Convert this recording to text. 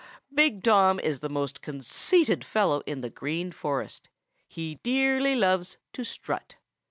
Big Tom is the most conceited fellow in the Green Forest. He dearly loves to strut.